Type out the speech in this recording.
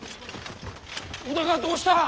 織田がどうした！？